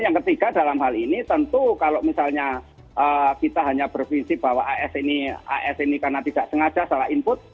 yang ketiga dalam hal ini tentu kalau misalnya kita hanya berfungsi bahwa as ini karena tidak sengaja salah input